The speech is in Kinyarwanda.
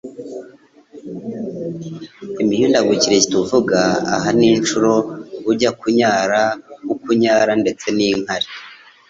Imihindagurikire tuvuga aha ni inshuro ujya kunyara, uko unyara ndetse n' inkari